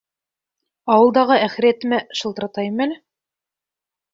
Ауылдағы әхирәтемә шылтыратайым әле.